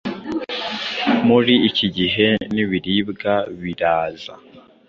Muri iki gihe n’ibiribwa biraza.